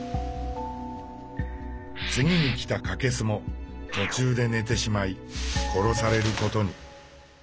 次に来たカケスも途中で寝てしまい殺されることに。